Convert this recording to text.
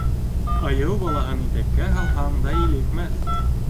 Айыу балаһын итәккә һалһаң да илекмәҫ